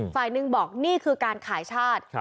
ฝ่ายหนึ่งบอกนี่คือการขายชาติ